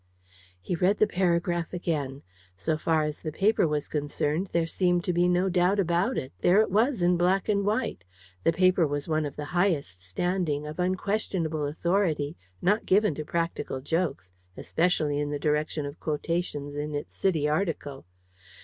He read the paragraph again. So far as the paper was concerned, there seemed to be no doubt about it there it was in black and white. The paper was one of the highest standing, of unquestionable authority, not given to practical jokes especially in the direction of quotations in its City article.